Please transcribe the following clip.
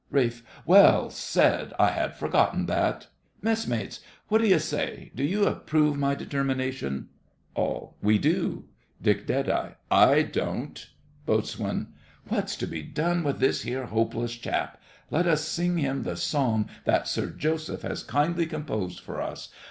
RALPH. Well said—I had forgotten that. Messmates—what do you say? Do you approve my determination? ALL. We do. DICK. I don t. BOAT. What is to be done with this here hopeless chap? Let us sing him the song that Sir Joseph has kindly composed for us.